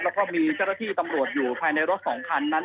แล้วก็มีเจ้าหน้าที่ตำรวจอยู่ภายในรถ๒คันนั้น